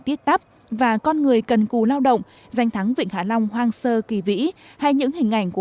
tiết tắp và con người cần cù lao động danh thắng vịnh hạ long hoang sơ kỳ vĩ hay những hình ảnh của